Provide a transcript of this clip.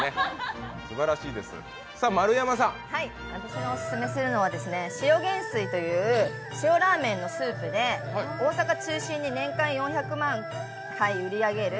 私がオススメするのは塩元帥という塩ラーメンのスープで、大阪を中心に年間４００万杯売り上げる